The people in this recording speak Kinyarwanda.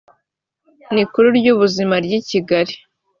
rikuru ry ubuzima ry i kigali